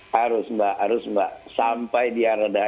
harus mbak harus mbak sampai dia reda